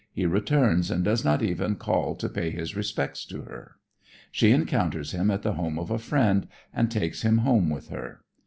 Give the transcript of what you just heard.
He returns and does not even call to pay his respects to her. She encounters him at the home of a friend and takes him home with her.